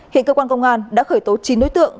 hiện cơ quan công an đã khởi tố chín đối tượng